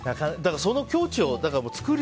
その境地を作る。